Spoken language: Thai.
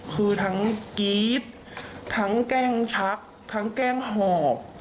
คือทั้งกรี๊ดทั้งแกล้งชักทั้งแกล้งหอบ